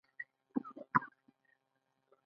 ایا زه باید ملګری شم؟